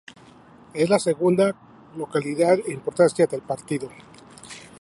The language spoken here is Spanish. Es la segunda localidad en importancia del partido.